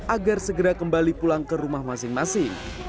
agar segera kembali pulang ke rumah masing masing